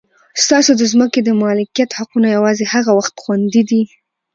ستاسو د ځمکو د مالکیت حقونه یوازې هغه وخت خوندي دي.